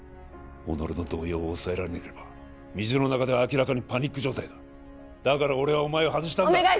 己の動揺を抑えられなければ水の中では明らかにパニック状態だだから俺はお前を外したんだ